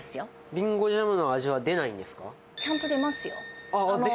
リンゴジャムの味は出ないんちゃんと出ますよ。